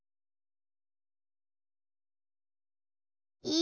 い。